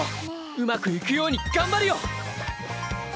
うまくいくように頑張るよ！